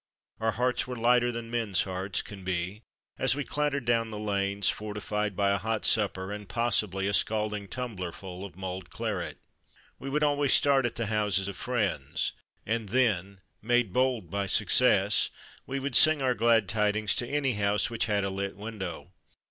Our hearts were lighter than men's hearts can be, as we clattered down the lanes, fortified by a hot supper and possibly a scalding tumblerful of mulled claret. We would always start at the houses of friends, and then, made bold by success, we would sing our glad tidings to any house which had a lit window.